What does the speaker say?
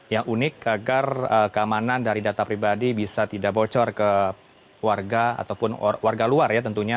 yang unik agar keamanan dari data pribadi bisa tidak bocor ke warga ataupun warga luar ya tentunya